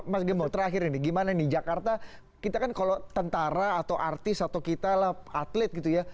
mas gembong terakhir ini gimana nih jakarta kita kan kalau tentara atau artis atau kita lah atlet gitu ya